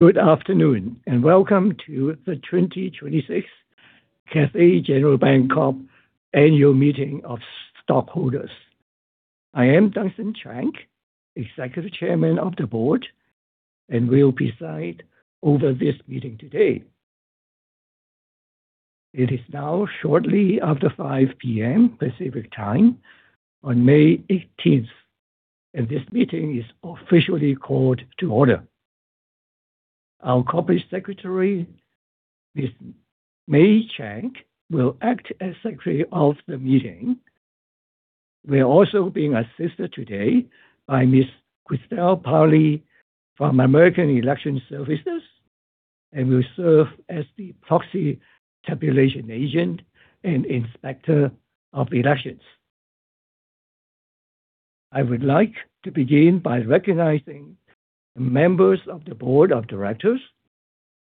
Good afternoon, and welcome to the 2026 Cathay General Bancorp Annual Meeting of Stockholders. I am Dunson K. Cheng, Executive Chairman of the Board, and will preside over this meeting today. It is now shortly after 5:00 A.M. Pacific Time on May 18th, and this meeting is officially called to order. Our Corporate Secretary, Ms. May K. Chan, will act as Secretary of the Meeting. We are also being assisted today by Ms. Christel Pauli from American Election Services and will serve as the proxy tabulation agent and Inspector of Elections. I would like to begin by recognizing members of the Board of Directors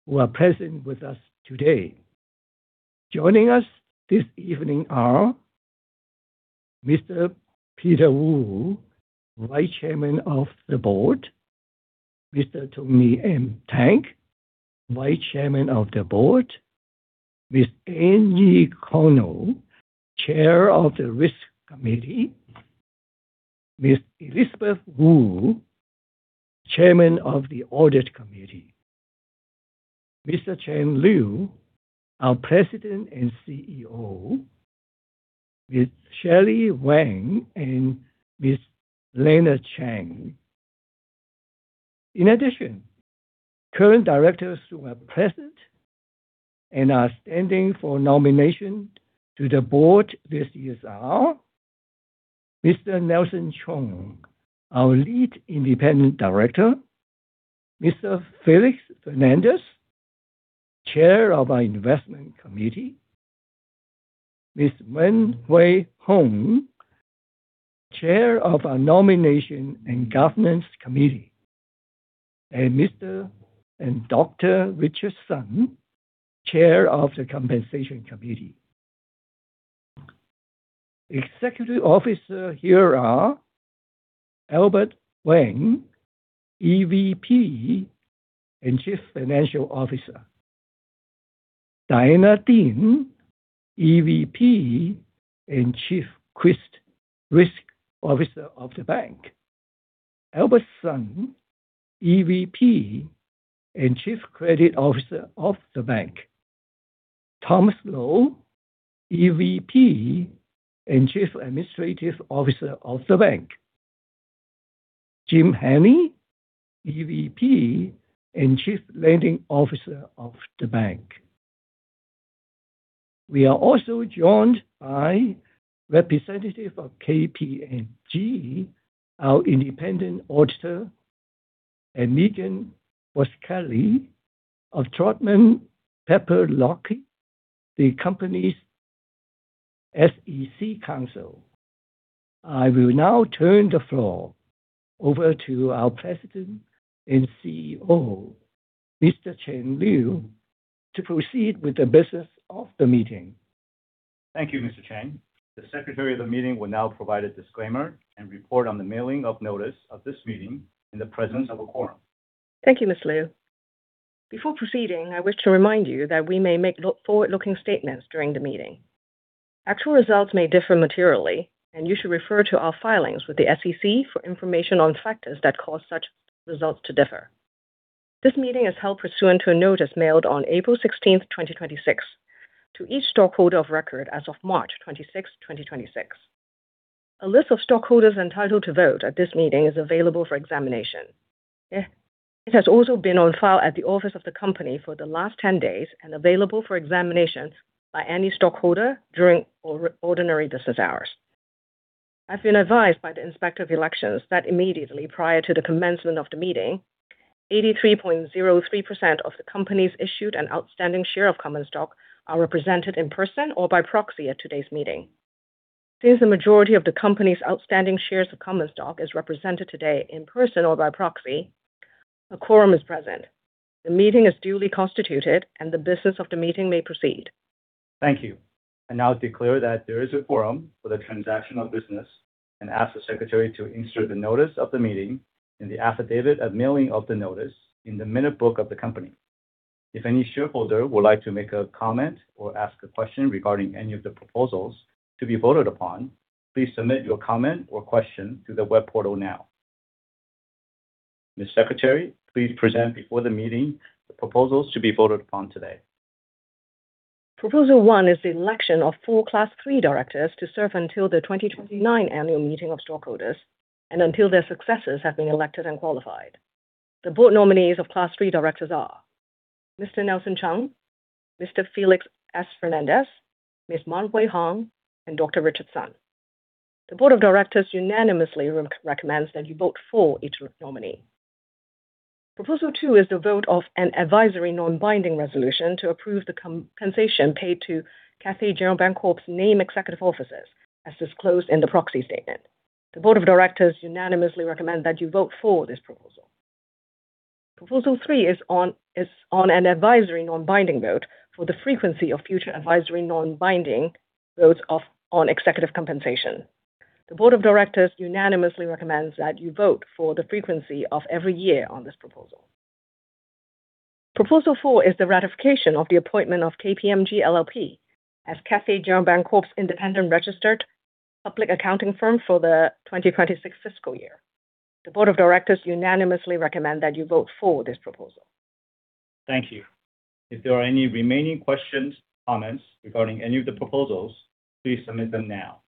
who are present with us today. Joining us this evening are Mr. Peter Wu, Vice Chairman of the Board. Mr. Tony M. Tang, Vice Chairman of the Board. Ms. Angie Connell, Chair of the Risk Committee. Ms. Elizabeth Woo, Chairman of the Audit Committee. Mr. Chang M. Liu, our President and Chief Executive Officer. Ms. Shally Wang and Ms. Lana Chan. In addition, current directors who are present and are standing for nomination to the board this year are Mr. Nelson Chung, our Lead Independent Director. Mr. Felix S. Fernandez, Chair of our Investment Committee. Ms. Maan-Huei Hung, Chair of our Nomination and Governance Committee. Mr. and Dr. Richard Sun, Chair of the Compensation Committee. Executive officer here are Albert J. Wang, Executive Vice President and Chief Financial Officer. Diana G. Deen, Executive Vice President and Chief Risk Officer of the bank. Albert Sun, Executive Vice President and Chief Credit Officer of the bank. Thomas M. Lo, Executive Vice President and Chief Administrative Officer of the bank. Jim Hani, Executive Vice President and Chief Lending Officer of the bank. We are also joined by representative of KPMG, our independent auditor, and Megan Boschelli of Troutman Pepper Locke, the company's SEC counsel. I will now turn the floor over to our President and Chief Executive Officer, Mr. Chang M. Liu, to proceed with the business of the meeting. Thank you, Mr. Cheng. The Secretary of the meeting will now provide a disclaimer and report on the mailing of notice of this meeting in the presence of a quorum. Thank you, Mr. Liu. Before proceeding, I wish to remind you that we may make forward-looking statements during the meeting. Actual results may differ materially, and you should refer to our filings with the SEC for information on factors that cause such results to differ. This meeting is held pursuant to a notice mailed on April 16, 2026, to each stockholder of record as of March 26, 2026. A list of stockholders entitled to vote at this meeting is available for examination. It has also been on file at the office of the company for the last 10 days and available for examinations by any stockholder during ordinary business hours. I've been advised by the Inspector of Elections that immediately prior to the commencement of the meeting, 83.03% of the company's issued and outstanding share of common stock are represented in person or by proxy at today's meeting. Since the majority of the company's outstanding shares of common stock is represented today in person or by proxy, a quorum is present. The meeting is duly constituted, and the business of the meeting may proceed. Thank you. I now declare that there is a quorum for the transaction of business and ask the Secretary to insert the notice of the meeting in the affidavit of mailing of the notice in the minute book of the company. If any shareholder would like to make a comment or ask a question regarding any of the proposals to be voted upon, please submit your comment or question through the web portal now. Ms. Secretary, please present before the meeting the proposals to be voted upon today. Proposal 1 is the election of four Class 3 directors to serve until the 2029 Annual Meeting of Stockholders and until their successors have been elected and qualified. The board nominees of class three directors are Mr. Nelson Chung, Mr. Felix S. Fernandez, Ms. Maan-Huei Hung, and Richard Sun. The board of directors unanimously recommends that you vote for each nominee. Proposal 2 is the vote of an advisory non-binding resolution to approve the compensation paid to Cathay General Bancorp's named executive officers, as disclosed in the proxy statement. The board of directors unanimously recommend that you vote for this proposal. Proposal 3 is on an advisory non-binding vote for the frequency of future advisory non-binding votes on executive compensation. The board of directors unanimously recommends that you vote for the frequency of every year on this proposal. Proposal 4 is the ratification of the appointment of KPMG LLP as Cathay General Bancorp's independent registered public accounting firm for the 2026 fiscal year. The board of directors unanimously recommend that you vote for this proposal. Thank you. If there are any remaining questions, comments regarding any of the proposals, please submit them now.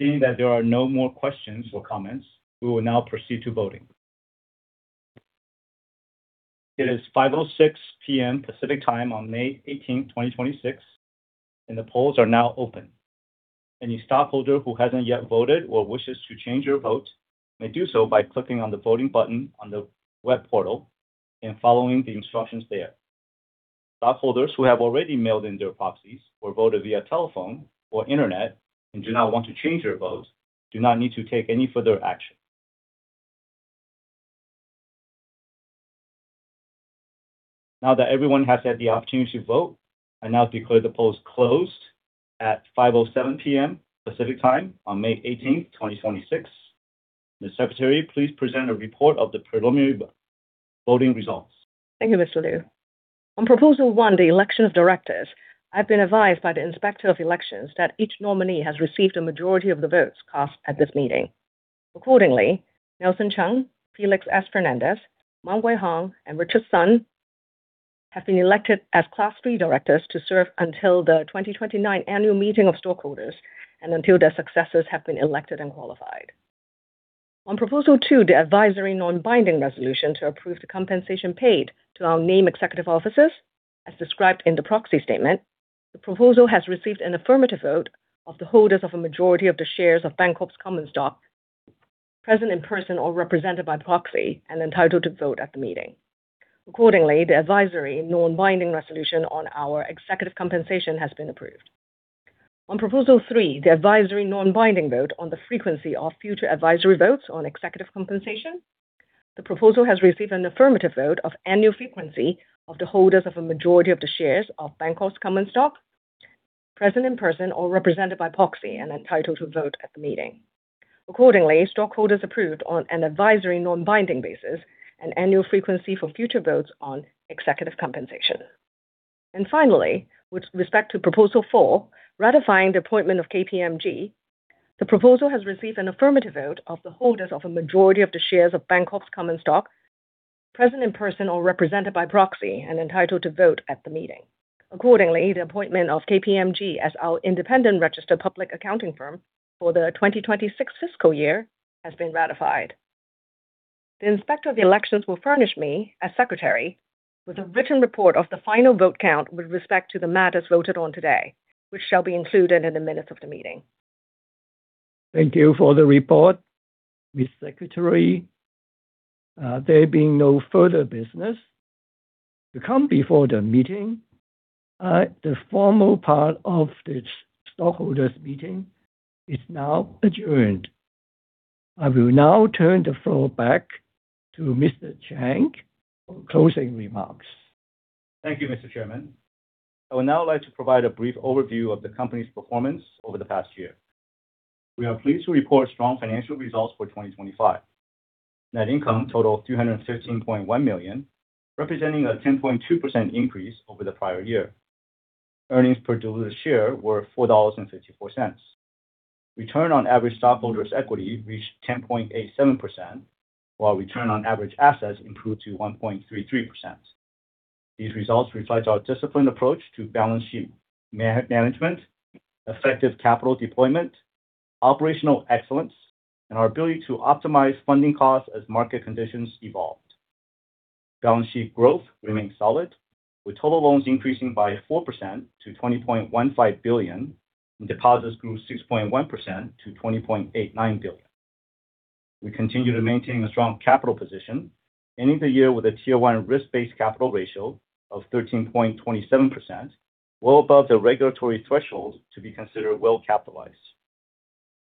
Seeing that there are no more questions or comments, we will now proceed to voting. It is 5:06 P.M. Pacific Time on May 18th, 2026. The polls are now open. Any stockholder who hasn't yet voted or wishes to change your vote may do so by clicking on the voting button on the web portal and following the instructions there. Stockholders who have already mailed in their proxies or voted via telephone or internet and do not want to change their votes do not need to take any further action. Now that everyone has had the opportunity to vote, I now declare the polls closed at 5:07 P.M. Pacific Time on May 18th, 2026. Ms. Secretary, please present a report of the preliminary voting results. Thank you, Mr. Liu. On Proposal 1, the election of directors, I've been advised by the Inspector of Election that each nominee has received a majority of the votes cast at this meeting. Accordingly, Nelson Chung, Felix S. Fernandez, Maan-Huei Hung, and Richard Sun have been elected as Class 3 directors to serve until the 2029 annual meeting of stockholders and until their successors have been elected and qualified. On Proposal 2, the advisory non-binding resolution to approve the compensation paid to our named executive officers as described in the proxy statement, the proposal has received an affirmative vote of the holders of a majority of the shares of Bancorp's common stock present in person or represented by proxy and entitled to vote at the meeting. Accordingly, the advisory non-binding resolution on our executive compensation has been approved. On Proposal 3, the advisory non-binding vote on the frequency of future advisory votes on executive compensation, the proposal has received an affirmative vote of annual frequency of the holders of a majority of the shares of Bancorp's common stock present in person or represented by proxy and entitled to vote at the meeting. Accordingly, stockholders approved on an advisory non-binding basis an annual frequency for future votes on executive compensation. Finally, with respect to Proposal 4, ratifying the appointment of KPMG, the proposal has received an affirmative vote of the holders of a majority of the shares of Bancorp's common stock present in person or represented by proxy and entitled to vote at the meeting. Accordingly, the appointment of KPMG as our independent registered public accounting firm for the 2026 fiscal year has been ratified. The Inspector of the Election will furnish me, as Secretary, with a written report of the final vote count with respect to the matters voted on today, which shall be included in the minutes of the meeting. Thank you for the report, Ms. Secretary. There being no further business to come before the meeting, the formal part of this stockholders meeting is now adjourned. I will now turn the floor back to Mr. Chang for closing remarks. Thank you, Mr. Chairman. I would now like to provide a brief overview of the company's performance over the past year. We are pleased to report strong financial results for 2025. Net income totaled $315.1 million, representing a 10.2% increase over the prior year. Earnings per diluted share were $4.54. Return on average stockholders' equity reached 10.87%, while Return on average assets improved to 1.33%. These results reflect our disciplined approach to balance sheet management, effective capital deployment, operational excellence, and our ability to optimize funding costs as market conditions evolved. Balance sheet growth remains solid, with total loans increasing by 4% to $20.15 billion, and deposits grew 6.1% to $20.89 billion. We continue to maintain a strong capital position, ending the year with a Tier 1 risk-based capital ratio of 13.27%, well above the regulatory threshold to be considered well-capitalized.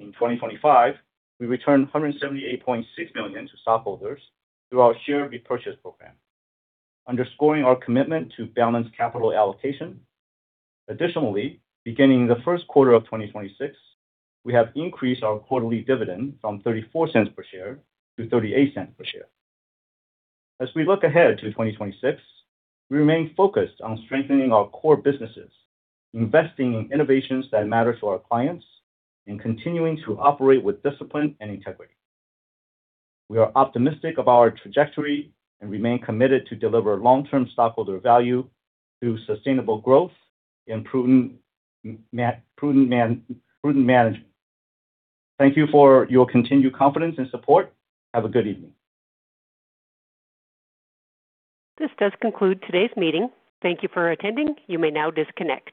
In 2025, we returned $178.6 million to stockholders through our share repurchase program, underscoring our commitment to balanced capital allocation. Additionally, beginning the first quarter of 2026, we have increased our quarterly dividend from $0.34 per share to $0.38 per share. As we look ahead to 2026, we remain focused on strengthening our core businesses, investing in innovations that matter to our clients, and continuing to operate with discipline and integrity. We are optimistic about our trajectory and remain committed to deliver long-term stockholder value through sustainable growth and prudent management. Thank you for your continued confidence and support. Have a good evening. This does conclude today's meeting. Thank you for attending. You may now disconnect.